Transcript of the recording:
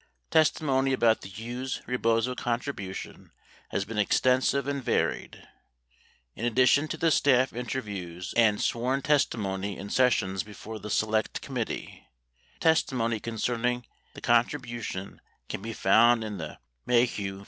Testimony about the Hughes Rebozo contribution has been extensive and varied. In addition to the staff interviews and sworn testimony in sessions before the Select Committee, testimony concerning the con tribution can be found in the Maheu v.